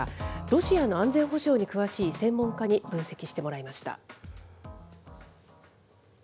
ロシアの安全保障に詳しい専門家に分析してもらいました。